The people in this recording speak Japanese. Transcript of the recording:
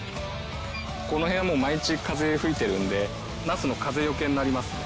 この辺はもう毎日風が吹いているのでナスの風よけになりますね。